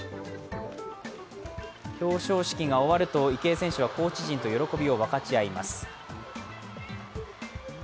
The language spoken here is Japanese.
表彰式が終わると、池江選手はコーチ陣と喜びを分かち合います。